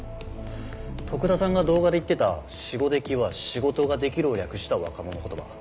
徳田さんが動画で言ってた「しごでき」は「仕事ができる」を略した若者言葉。